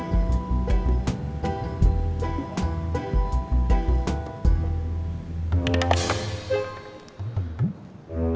gede gede tapi kerjanya payah